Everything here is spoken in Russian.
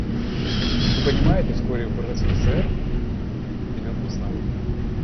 Вы понимаете, вскоре в РСФСР придет весна.